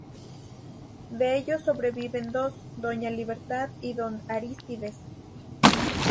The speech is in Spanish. De ellos sobreviven dos: doña Libertad y don Arístides.